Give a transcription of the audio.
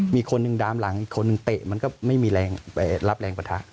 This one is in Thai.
มีคนหนึ่งดามหลังอีกคนนึงเตะมันก็ไม่มีแรงรับแรงประทะ